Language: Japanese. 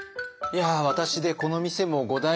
いや私でこの店も五代目。